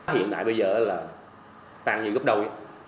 thì hồi nãy bây giờ là tăng như gấp đầu